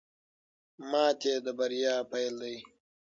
ماتې د بریا پیل دی.